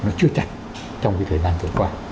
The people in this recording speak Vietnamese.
nó chưa chặt trong cái thời gian vừa qua